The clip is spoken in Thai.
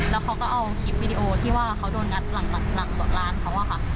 แล้วเขาก็เอาคลิปวิดีโอที่ว่าเขาโดนงัดหลังร้านเขาอะค่ะ